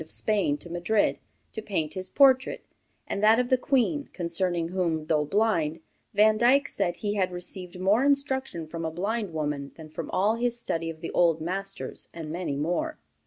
of Spain to Madrid, to paint his portrait, and that of the Queen, concerning whom, though blind, Vandyck said he had received more instruction from a blind woman than from all his study of the old masters; and many more.